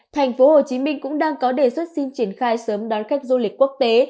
thành phố hồ chí minh cũng đang có đề xuất xin triển khai sớm đón khách du lịch quốc tế